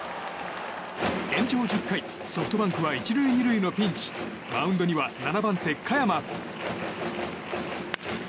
延長１０回、ソフトバンクは１塁２塁のピンチマウンドには７番手、嘉弥真。